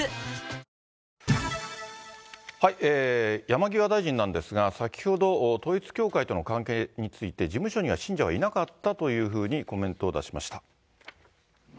山際大臣なんですが、先ほど、統一教会との関係について、事務所には信者はいなかったというふうにコメントを出しました。